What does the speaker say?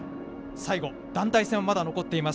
最後、団体戦はまだ残っています。